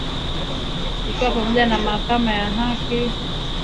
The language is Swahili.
Ikiwa ni pamoja na Mahakama ya Haki ya Afrika